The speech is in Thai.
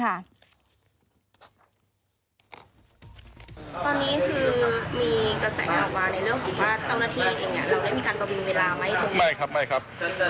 อย่างงี้ท่านก็มีการปรับมีวีลาไหม